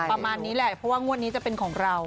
ประมาณนี้แหละเพราะว่างวดนี้จะเป็นของเรา